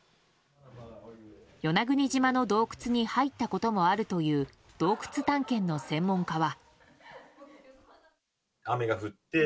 与那国島の洞窟に入ったこともあるという洞窟探検の専門家は。